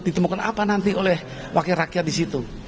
ditemukan apa nanti oleh wakil rakyat di situ